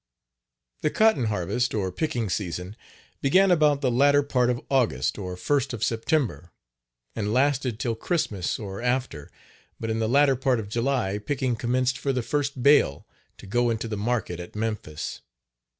The cotton harvest, or picking season, began about the latter part of August or first of September, and lasted till Christmas or after, but in the latter part of July picking commenced for "the first bale" to go into the market at Memphis.